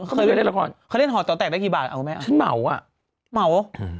อย่างเคยเล่นละครเคยเล่นหอดต่อแตกได้กี่บาทอ่ะคุณแม่ฉันเหมาอ่ะ